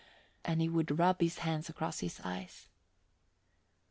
And he would rub his hands across his eyes.